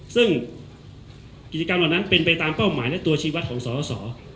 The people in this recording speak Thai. ซึ่งกิจกรรมเหล่านั้นเป็นไปตามเป้าหมายและตัวชีวัตรของสอสอ